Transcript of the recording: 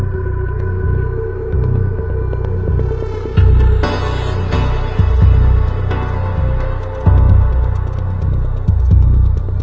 เฮ้โชว์